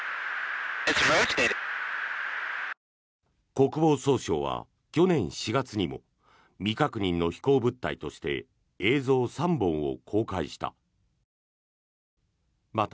国防総省は去年４月にも未確認の飛行物体として映像３本を公開した。